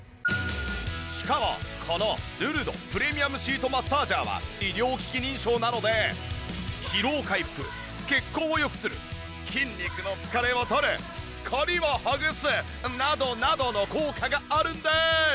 しかもこのルルドプレミアムシートマッサージャーは医療機器認証なので疲労回復血行を良くする筋肉の疲れをとる凝りをほぐすなどなどの効果があるんです。